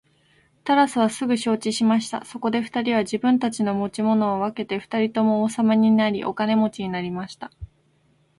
タラスはすぐ承知しました。そこで二人は自分たちの持ち物を分けて二人とも王様になり、お金持になりました。